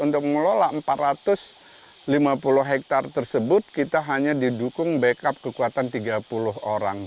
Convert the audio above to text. untuk mengelola empat ratus lima puluh hektare tersebut kita hanya didukung backup kekuatan tiga puluh orang